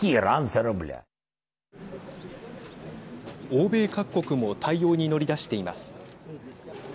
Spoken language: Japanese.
欧米各国も対応に乗り出しています。